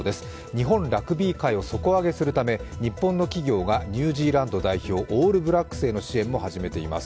日本ラグビー界を底上げするため日本の企業がニュージーランド代表オールブラックスへの支援も始めています。